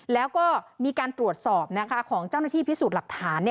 แล้วก็มีการตรวจสอบของเจ้าหน้าที่พิสูจน์หลักฐาน